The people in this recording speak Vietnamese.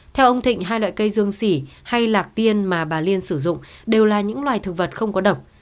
theo ông thịnh hai loại cây dương sỉ hay lạc tiên mà bà liên sử dụng đều là những loài thực vật không có độc